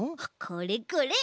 これこれ。